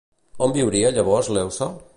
On viuria llavors Leuce?